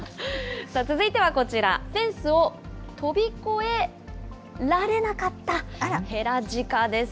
さあ、続いてはこちら、フェンスを跳び越えられなかったヘラジカです。